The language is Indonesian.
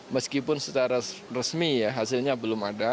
meskipun secara resmi ya hasilnya belum ada